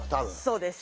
そうです。